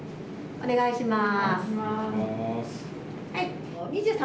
お願いします。